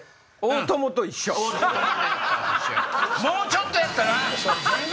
もうちょっとやったな！